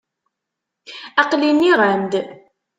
Aqli nniɣ-am-d.